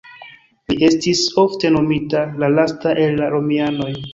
Li estis ofte nomita "la lasta el la Romianoj".